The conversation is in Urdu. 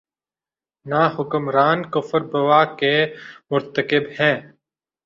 نہ حکمران کفر بواح کے مرتکب ہیں۔